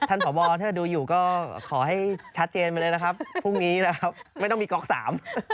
ผอบอถ้าดูอยู่ก็ขอให้ชัดเจนไปเลยนะครับพรุ่งนี้นะครับไม่ต้องมีก๊อกสาม